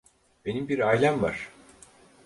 Benim bir ailem var.